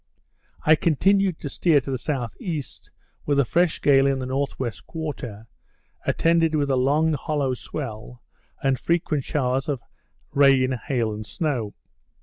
I continued to steer to the S.E., with a fresh gale in the north west quarter, attended with a long hollow swell, and frequent showers of rain, hail, and snow.